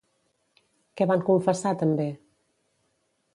Què van confessar també?